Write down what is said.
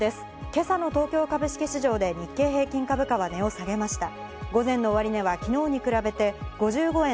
今朝の東京株式市場で日経平均株価は値を下げました。